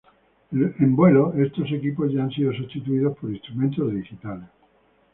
En vuelo estos equipos ya han sido sustituidos por instrumentos digitales.